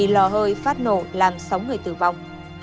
lò hơi phát nổ làm sáu người tử vong